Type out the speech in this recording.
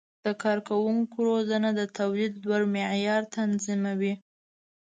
د کارکوونکو روزنه د تولید لوړ معیار تضمینوي.